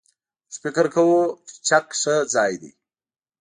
موږ فکر کوو چې چک ښه ځای دی.